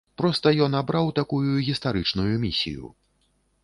Проста ён абраў такую гістарычную місію.